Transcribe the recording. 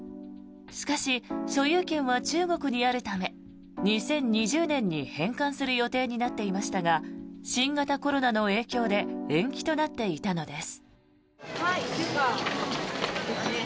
しかし、所有権は中国にあるため２０２０年に返還する予定になっていましたが新型コロナの影響で延期となっていたのです。